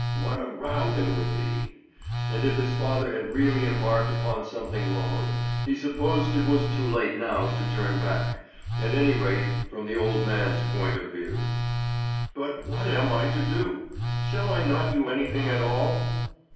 What a row there would be! And if his father had really embarked upon something wrong, he supposed it was too late now to turn back, at any rate from the old man's point of view. "But what am I to do? Shall I not do anything at all?"